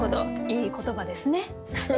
いい言葉ですね。